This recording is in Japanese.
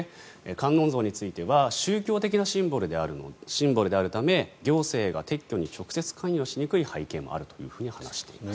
観音像については宗教的なシンボルであるため行政が撤去に直接関与しにくい背景もあると話しています。